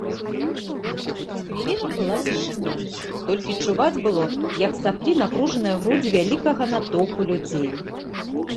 З хвіліну была цішыня, толькі чуваць было, як саплі напружаныя грудзі вялікага натоўпу людзей.